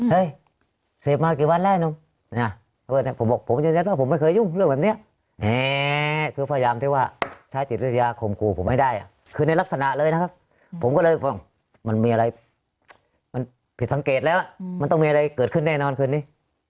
อืมทีสังเกตแล้วมันต้องมีอะไรเกิดขึ้นได้นะวันคืนนี้